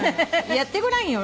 やってごらんよ。